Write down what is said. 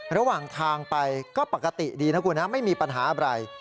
ระหว่างทางไปก็ปกติดีนะคุณนะไม่มีปัญหาอะไร